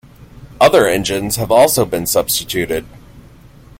Other engines have also been substituted.